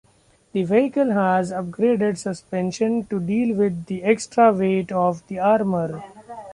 The vehicle has upgraded suspension to deal with the extra weight of the armour.